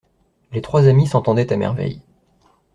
Les trois amis s’entendaient à merveille.